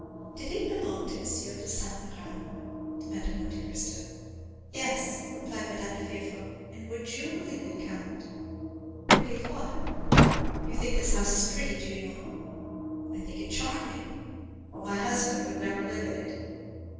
"Did it belong to M. de Saint Méran?" demanded Monte Cristo. "Yes," replied Madame de Villefort; "and, would you believe it, count——" "Believe what?" "You think this house pretty, do you not?" "I think it charming." "Well, my husband would never live in it."